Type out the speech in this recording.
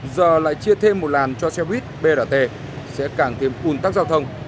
giờ lại chia thêm một làn cho xe buýt brt sẽ càng thêm ủn tắc giao thông